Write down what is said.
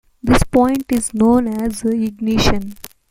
This point is known as "ignition".